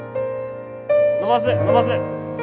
伸ばす伸ばす！